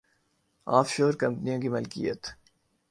of شور کمپنیوں کی ملکیت‘